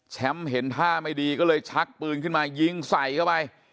เห็นท่าไม่ดีก็เลยชักปืนขึ้นมายิงใส่เข้าไป